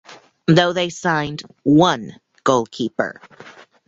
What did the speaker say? Though they signed one goalkeeper.